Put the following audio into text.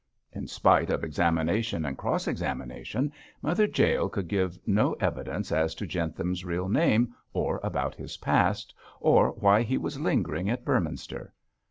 In spite of examination and cross examination, Mother Jael could give no evidence as to Jentham's real name, or about his past, or why he was lingering at Beorminster.